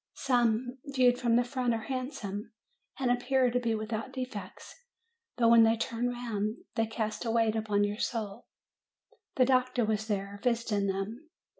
Some, viewed from the front, are handsome, and appear to be without defects; but when they turn round they cast a weight upon your soul. The doctor was there, visiting them.